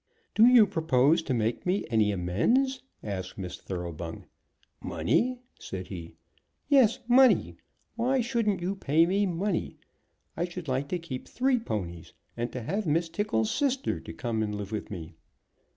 "Do you propose to make me any amends?" asked Miss Thoroughbung. "Money?" said he. "Yes; money. Why shouldn't you pay me money? I should like to keep three ponies, and to have Miss Tickle's sister to come and live with me."